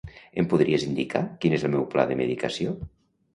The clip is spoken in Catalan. Em podries indicar quin és el meu pla de medicació?